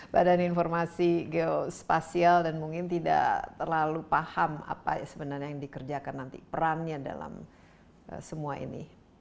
badan informasi geospasial dan mungkin tidak terlalu paham apa sebenarnya yang dikerjakan nanti perannya dalam semua ini